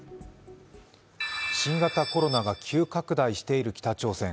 新型コロナが急拡大している北朝鮮。